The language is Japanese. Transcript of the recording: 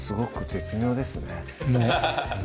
絶妙ですね